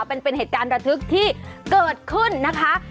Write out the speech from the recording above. เป็นเหตุการณ์ระทึกที่เกิดขึ้นนะคะ